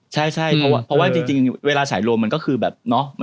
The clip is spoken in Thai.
ใช่ใช่เพราะว่าจริงเวลาสายโรงมันก็คือแบบ